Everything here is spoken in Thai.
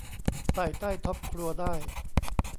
ใส่ใต้ท็อปครัวได้